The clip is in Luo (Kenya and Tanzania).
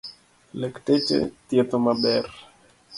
Lakteche thietho maber.